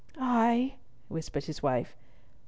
"Ay," whispered his wife.